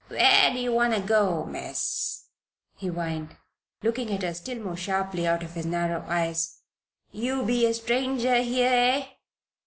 "Where d'ye wanter go, Miss?" he whined, looking at her still more sharply out of his narrow eyes. "Yeou be a stranger here, eh?"